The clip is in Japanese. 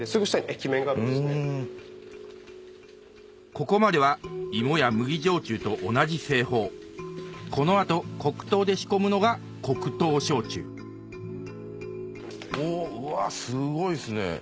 ここまでは芋や麦焼酎と同じ製法この後黒糖で仕込むのが黒糖焼酎うわすごいですね。